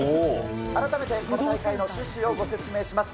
改めてこの大会の趣旨をご説明します。